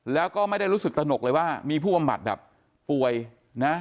แล้วก็ไม่ได้รู้สึกตนกเลยว่ามีผู้บำบัดแบบป่วยนะ